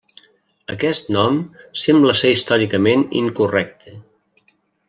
Aquest nom sembla ser històricament incorrecte.